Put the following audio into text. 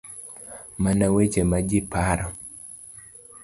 Mana weche ma ji paro.